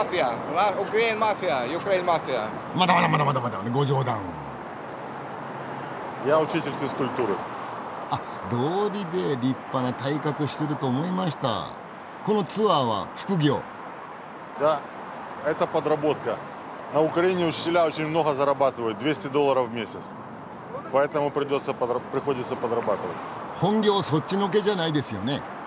本業そっちのけじゃないですよね？